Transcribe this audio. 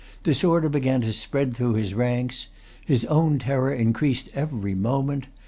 Disorder began to spread through his ranks. His own terror increased every moment.